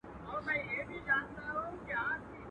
مه وکې ها منډه، چي دي کونه سي بربنډه.